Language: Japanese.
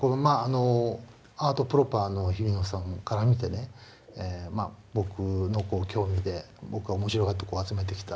アート・プロパーの日比野さんから見て僕の興味で僕が面白がって集めてきた